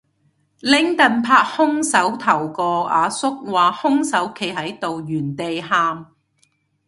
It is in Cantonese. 拎櫈拍兇手頭個阿叔話兇手企喺度原地喊